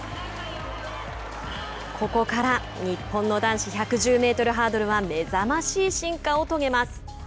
ここから日本の男子１１０メートルハードルは目覚ましい進化を遂げます。